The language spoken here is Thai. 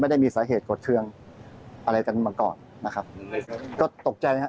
ได้มีสาเหตุกดเครื่องอะไรกันมาก่อนนะครับก็ตกใจนะครับ